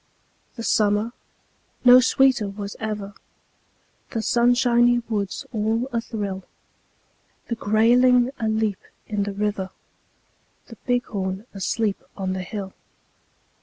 The summer no sweeter was ever; The sunshiny woods all athrill; The grayling aleap in the river, The bighorn asleep on the hill.